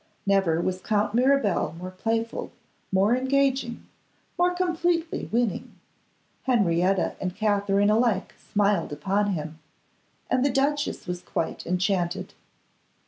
Never was Count Mirabel more playful, more engaging, more completely winning. Henrietta and Katherine alike smiled upon him, and the duchess was quite enchanted.